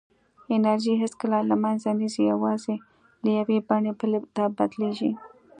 انرژي هېڅکله له منځه نه ځي، یوازې له یوې بڼې بلې ته بدلېږي.